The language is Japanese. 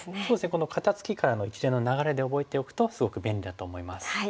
この肩ツキからの一連の流れで覚えておくとすごく便利だと思います。